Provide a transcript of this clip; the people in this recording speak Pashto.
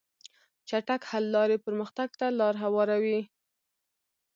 چټک حل لارې پرمختګ ته لار هواروي.